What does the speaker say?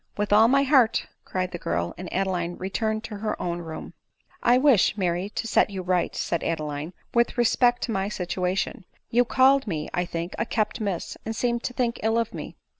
" With all my heart," cried the girl ; and Adeline returned to her own room. + 140 ADELINE MOWBRAY. " I wish, Mary, to set you right," said Adeline, " with respect to my situation. You called me, I think, a kept miss, and seemed to think ill of me."